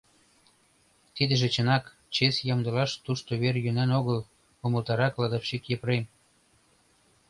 — Тидыже чынак, чес ямдылаш тушто вер йӧнан огыл, — умылтара кладовщик Епрем.